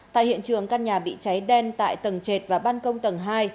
tại hiện trường căn nhà bị cháy đen tại tầng trệt và ban công tầng hai